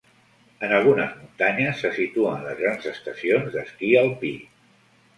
En algunes muntanyes se situen les grans estacions d'esquí alpí.